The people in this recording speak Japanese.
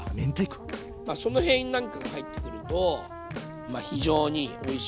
まあその辺なんかが入ってくると非常においしく。